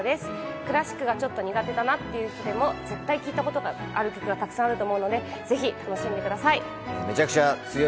クラシックがちょっと苦手だなって人でも絶対聴いたことがある曲が沢山あると思うので、ぜひ楽しんでください。